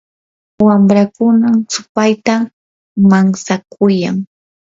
wamrakuna supaytam mantsakuyan.